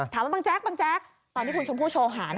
ถามว่าบังแจ็คตอนที่คุณชมพู่โชว์หา